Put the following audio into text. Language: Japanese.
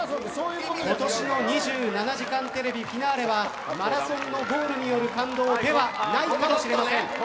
今年の２７時間テレビフィナーレはマラソンのゴールによる感動ではないかもしれません。